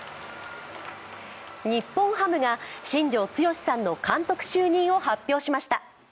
日本ハムが新庄剛志さんの監督就任を発表しました。